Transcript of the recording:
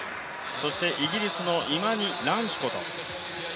そしてイギリスのイマニ・ランシコト。